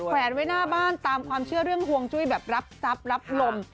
แวนไว้หน้าบ้านตามความเชื่อเรื่องห่วงจุ้ยแบบรับทรัพย์รับลม